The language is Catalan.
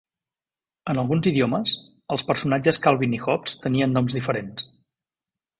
En alguns idiomes, el personatges Calvin i Hobbes tenien noms diferents.